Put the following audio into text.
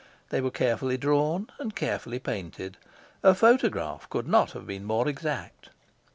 They were carefully drawn and carefully painted. A photograph could not have been more exact.